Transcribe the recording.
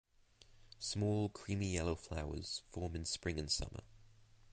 Small creamy yellow flowers form in spring and summer.